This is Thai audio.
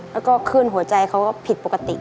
แล้วก็ขึ้นหัวใจเขาก็ผิดปกติ